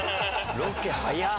ロケ早っ。